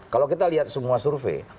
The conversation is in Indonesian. kalau kita lihat semua survei